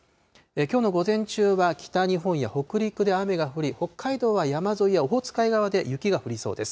きょうの午前中は、北日本や北陸で雨が降り、北海道では山沿いやオホーツク海側で雪が降りそうです。